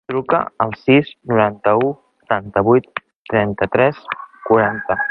Truca al sis, noranta-u, setanta-vuit, trenta-tres, quaranta.